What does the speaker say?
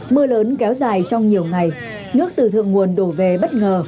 mưa lớn kéo dài trong nhiều ngày nước từ thượng nguồn đổ về bất ngờ